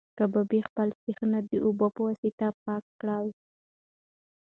کبابي خپل سیخان د اوبو په واسطه پاک کړل.